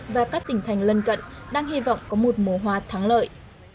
và các tỉnh thành lân cận đang hy vọng có một mùa hoa thắng lợi